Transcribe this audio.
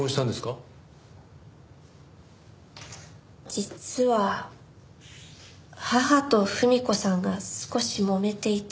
実は母と文子さんが少しもめていて。